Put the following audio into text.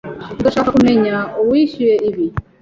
Ndashaka kumenya uwishyuye ibi.